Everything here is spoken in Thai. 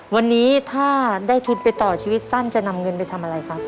วันนี้ถ้าได้ทุนไปต่อชีวิตสั้นจะนำเงินไปทำอะไรครับ